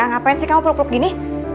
ngapain sih kamu peluk peluk gini